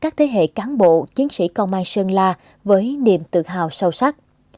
các thế hệ cán bộ chiến sĩ công an sơn la với niềm tự hào sâu sắc